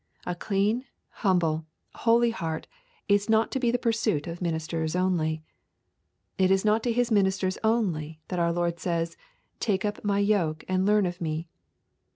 A clean, humble, holy heart is not to be the pursuit of ministers only. It is not to His ministers only that our Lord says, Take up My yoke and learn of Me.